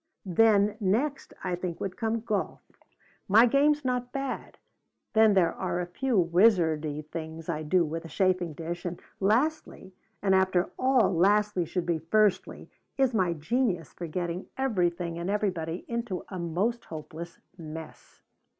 Then next I think would come golf. My game's not bad. Then there are a few wizardy things I do with a chafing dish, and lastly, and after all lastly should be firstly, is my genius for getting everything and everybody into a most hopeless mess."